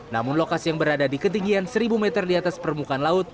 namun lokasi yang berada di ketinggian seribu meter di atas permukaan laut